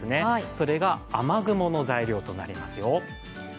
それが雨雲の材料となりますよ。